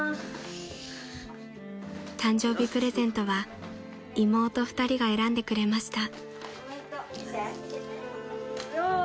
［誕生日プレゼントは妹２人が選んでくれました］